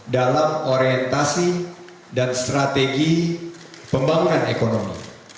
dalam orientasi dan strategi pembangunan ekonomi